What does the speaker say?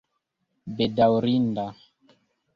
bedaŭrinda